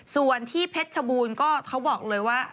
ส่วนที่เพชรชบูรณ์ก็เขาบอกเลยว่า